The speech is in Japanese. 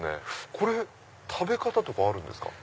これ食べ方とかあるんですか？